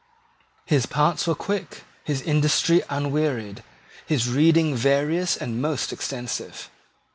His parts were quick, his industry unwearied, his reading various and most extensive.